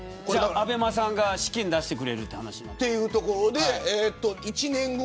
ＡＢＥＭＡさんが資金を出してくれるということで。